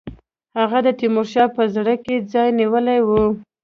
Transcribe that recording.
هغه د تیمورشاه په زړه کې ځای نیولی وو.